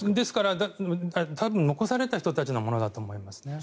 残された人たちのものだと思いますね。